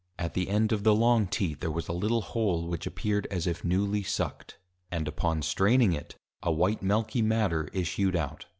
At the end of the long Teat, there was a little Hole, which appeared, as if newly Sucked; and upon straining it, a white Milky matter issued out.